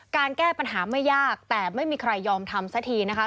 แก้ปัญหาไม่ยากแต่ไม่มีใครยอมทำสักทีนะคะ